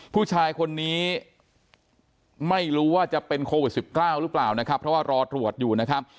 ผู้ชายคนนี้ไม่รู้ว่าจะเป็นโควิด๑๙หรือเปล่านะครับเพราะว่ารอตรวจอยู่นะครับ